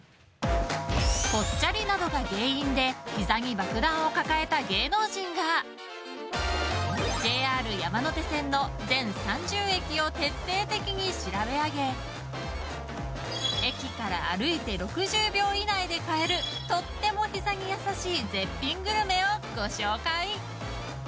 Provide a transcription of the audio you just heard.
ぽっちゃりなどが原因で膝に爆弾を抱えた芸能人がＪＲ山手線の全３０駅を徹底的に調べ上げ駅から歩いて６０秒以内で買えるとっても膝にやさしい絶品グルメをご紹介。